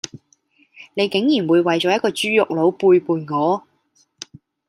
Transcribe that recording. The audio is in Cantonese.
你竟然會為咗一個豬肉佬背叛我